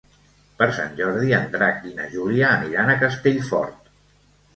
Per Sant Jordi en Drac i na Júlia aniran a Castellfort.